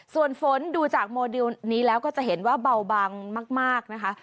ส่วนฝนดูจากโมเดลนี้แล้วก็จะเห็นว่าเบาบางมากนะคะ